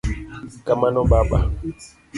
Kamano Baba.